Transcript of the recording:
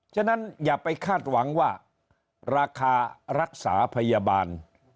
ฉะนั้นอย่าไปคาดหวังว่าราคารักษาพยาบาล